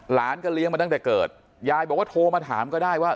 หลานก็เลี้ยงมาตั้งแต่เกิดยายบอกว่าโทรมาถามก็ได้ว่า